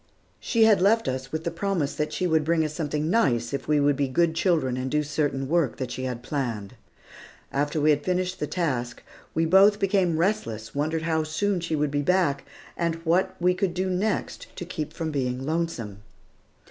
She had left us with the promise that she would bring us something nice if we would be good children and do certain work that she had planned. After we had finished the task, we both became restless, wondered how soon she would come back, and what we could do next to keep from being lonesome.